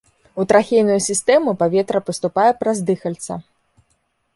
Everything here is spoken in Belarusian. У трахейную сістэму паветра паступае праз дыхальца.